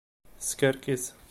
Teskerkis.